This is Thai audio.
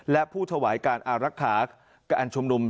และผู้ถวายการอารักษาการชุมนุม